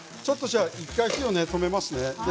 １回、火を止めますね。